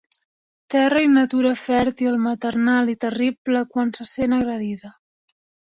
Terra i natura fèrtil maternal i terrible quan se sent agredida.